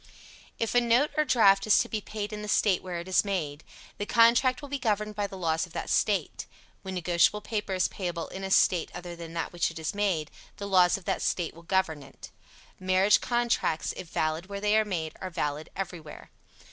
If a note or draft is to be paid in the State where it is made, the contract will be governed by the laws of that State. When negotiable paper is payable in a State other than that in which it is made, the laws of that State will govern it. Marriage contracts, if valid where they are made, are valid everywhere.